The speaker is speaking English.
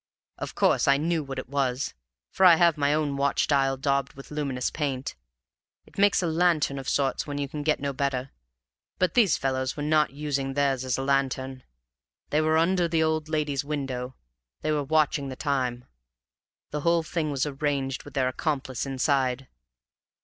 Of course I knew what it was, for I have my own watch dial daubed with luminous paint; it makes a lantern of sorts when you can get no better. But these fellows were not using theirs as a lantern. They were under the old lady's window. They were watching the time. The whole thing was arranged with their accomplice inside.